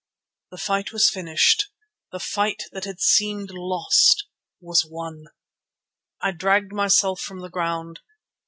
The fight was finished! The fight that had seemed lost was won! I dragged myself from the ground.